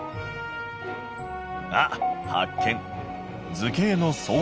あっ発見！